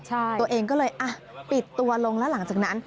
ตัวเองก็เลยอ่ะปิดตัวลงแล้วหลังจากนั้น